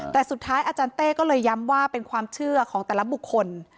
แต่สุดท้ายอาจารย์เต้ก็เลยย้ำว่าเป็นความเชื่อของแต่ละบุคคล